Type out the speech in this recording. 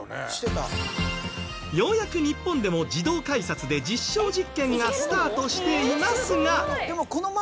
ようやく日本でも自動改札で実証実験がスタートしていますが。